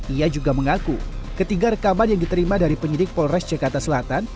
ia juga mengaku ketiga rekaman yang diterima dari penyidik polres jakarta selatan